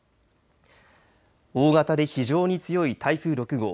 大型で非常に強い台風６号。